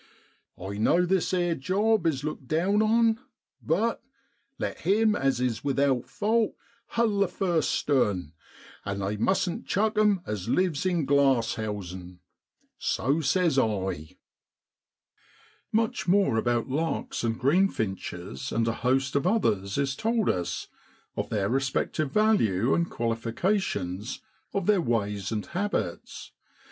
I know this 'ere job is looked down on, but ; let him as is without fault hull the first stone,' and they t mustn't chuck 1 em as lives in glass housen.' So says I.' OUK LITTLE CRUISER. Much more about larks and greenfinches and a host of others is told us of their respective value and qualifications, of their ways and habits.